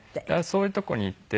そういうとこに行って。